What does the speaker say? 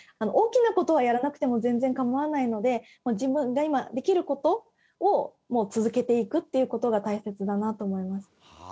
大きな事はやらなくても全然構わないので自分が今できる事をもう続けていくっていう事が大切だなと思います。